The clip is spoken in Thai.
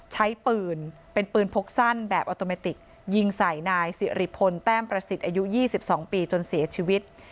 ใช้ปืนเป็นปืนพกสั้นแบบออโตเมติกยิงใส่นายสิริพลแต้มประสิทธิ์อายุ๒๒ปีจนเสียชีวิต